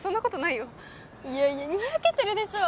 いやいやニヤけてるでしょ